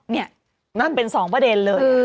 นี่นั่นเป็น๒ประเด็นเลย